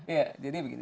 ya jadi begini